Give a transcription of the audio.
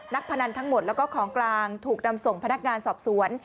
พนันทั้งหมดแล้วก็ของกลางถูกนำส่งพนักงานสอบสวน